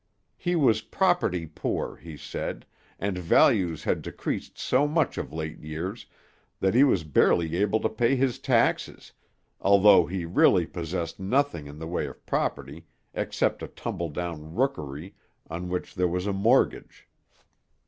He was property poor, he said, and values had decreased so much of late years, that he was barely able to pay his taxes, although he really possessed nothing in the way of property except a tumble down rookery on which there was a mortgage.